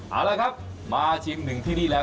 เอาละครับมาชิงหนึ่งที่นี่แล้ว